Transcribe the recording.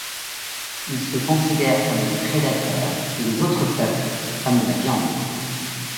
Ils se considèrent comme des prédateurs, et les autres peuples comme de la viande.